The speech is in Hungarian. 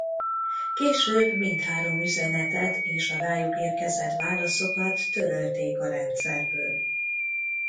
Később mindhárom üzenetet és a rájuk érkezett válaszokat törölték a rendszerből.